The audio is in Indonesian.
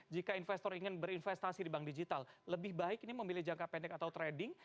jika investor ingin berinvestasi di bank digital lebih baik ini memilih jangka pendek atau trading